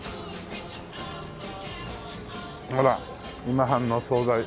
ほら今半のお惣菜。